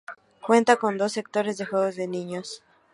Cuenta con dos sectores de juegos de niños.